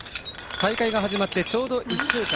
大会が始まってちょうど１週間。